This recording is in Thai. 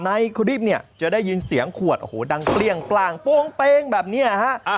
ในคลิปเนี่ยจะได้ยินเสียงขวดโอ้โหดังเกลี้ยงกลางโป้งเป้งแบบนี้นะฮะ